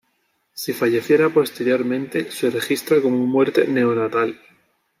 Si falleciera posteriormente, se registra como muerte neonatal.